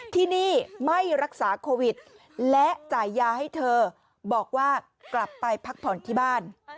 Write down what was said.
ที่นี่ไม่รักษาโควิดและจ่ายยาให้เธอบอกว่ากลับไปพักผ่อนที่บ้าน